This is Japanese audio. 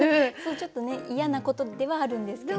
ちょっとね嫌なことではあるんですけど。